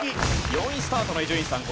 ４位スタートの伊集院さん